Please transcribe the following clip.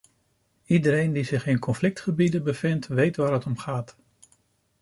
Iedereen, die zich in conflictgebieden bevindt, weet waar het om gaat.